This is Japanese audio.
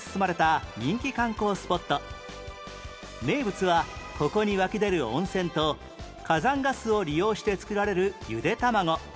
名物はここに湧き出る温泉と火山ガスを利用して作られるゆで卵